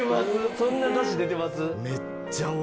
そんな出汁出てます？